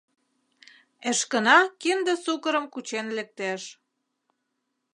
Эшкына кинде сукырым кучен лектеш.